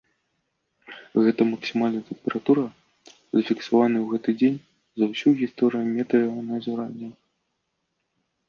Гэта максімальная тэмпература, зафіксаваная ў гэты дзень за ўсю гісторыю метэаназіранняў.